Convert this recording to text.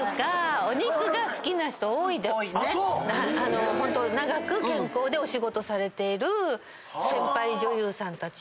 あっそう⁉長く健康でお仕事されてる先輩女優さんたちは。